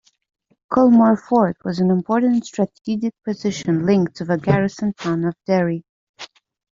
Culmore Fort was an important strategic position linked to the garrison town of Derry.